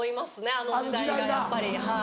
あの時代がやっぱり。